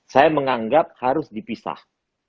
saya menganggap harus dipisah